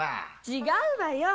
違うわよ。